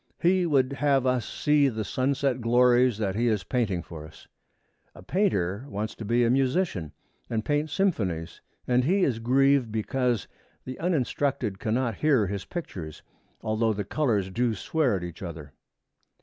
He would have us see the sunset glories that he is painting for us. A painter wants to be a musician and paint symphonies, and he is grieved because the uninstructed cannot hear his pictures, although the colors do swear at each other.